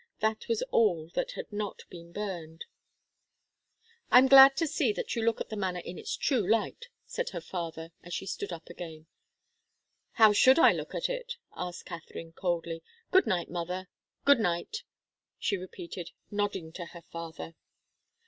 That was all that had not been burned. "I'm glad to see that you look at the matter in its true light," said her father, as she stood up again. "How should I look at it?" asked Katharine, coldly. "Good night, mother good night," she repeated, nodding to her father.